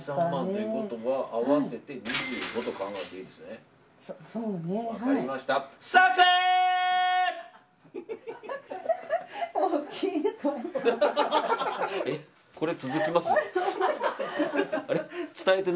ということは合わせて２５と考えていいですね。